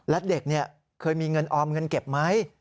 และเด็กเคยมีเงินออมเงินเก็บไหม